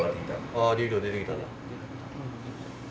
ああ流量出てきたな。